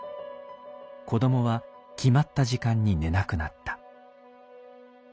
子どもは決まった時間に寝なくなった。